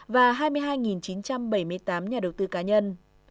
và hai mươi hai chín trăm bảy mươi tám nhà đầu tư cá nhân